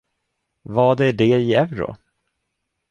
Vad är det i euro?